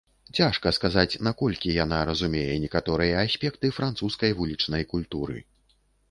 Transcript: Цяжка сказаць, наколькі яна разумее некаторыя аспекты французскай вулічнай культуры.